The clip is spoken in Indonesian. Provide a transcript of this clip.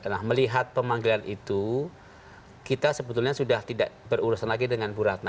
nah melihat pemanggilan itu kita sebetulnya sudah tidak berurusan lagi dengan bu ratna